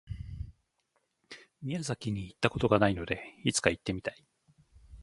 宮崎に行った事がないので、いつか行ってみたい。